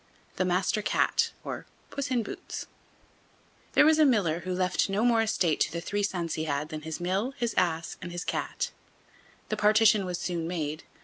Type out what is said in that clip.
THE MASTER CAT; OR, PUSS IN BOOTS There was a miller who left no more estate to the three sons he had than his mill, his ass, and his cat. The partition was soon made.